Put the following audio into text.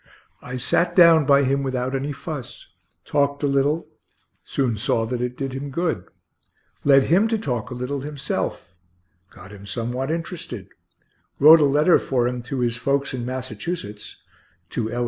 I sat down by him without any fuss; talked a little; soon saw that it did him good; led him to talk a little himself; got him somewhat interested; wrote a letter for him to his folks in Massachusetts (to L.